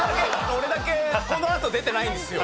俺だけこの後出てないんですよ。